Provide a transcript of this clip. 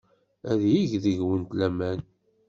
Ad yeg deg-went laman.